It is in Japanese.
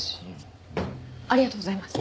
ありがとうございます。